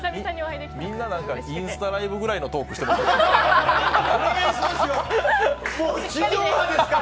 みんなインスタライブくらいのトークしてますね。